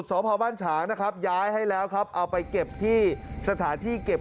สพบ้านฉางนะครับย้ายให้แล้วครับเอาไปเก็บที่สถานที่เก็บ